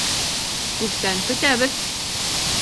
Күптән көтәбеҙ.